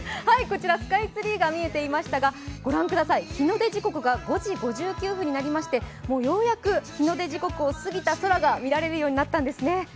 こちらスカイツリーが見えていましたが、御覧ください、日の出時刻が５時５９分になりましてようやく日の出時刻を過ぎた空が見られるようになったんですね。